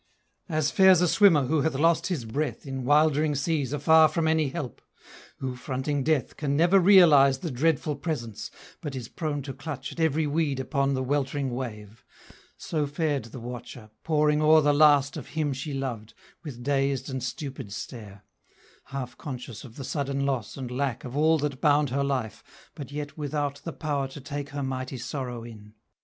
As fares a swimmer who hath lost his breath In 'wildering seas afar from any help Who, fronting Death, can never realize The dreadful Presence, but is prone to clutch At every weed upon the weltering wave So fared the watcher, poring o'er the last Of him she loved, with dazed and stupid stare; Half conscious of the sudden loss and lack Of all that bound her life, but yet without The power to take her mighty sorrow in.